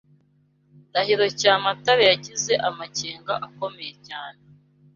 Ndahiro Cyamatare yagize amakenga akomeye cyane